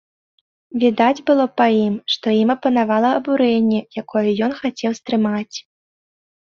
Відаць было па ім, што ім апанавала абурэнне, якое ён хацеў стрымаць.